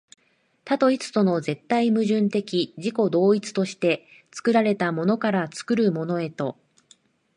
多と一との絶対矛盾的自己同一として、作られたものから作るものへと、